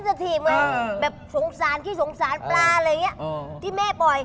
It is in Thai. ไปช่วยวปลาให้แม่ปล่อย